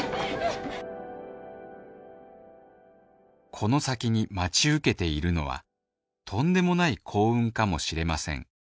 この先に待ち受けているのはとんでもない幸運かもしれません。